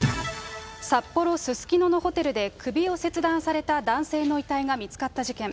札幌・すすきののホテルで首を切断された男性の遺体が見つかった事件。